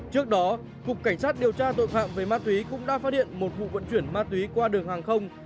trước đó cục cảnh sát điều tra tội phạm về ma túy cũng đã phát hiện một vụ vận chuyển ma túy qua đường hàng không